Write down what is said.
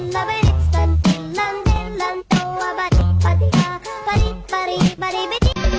สวัสดีครับสวัสดีครับ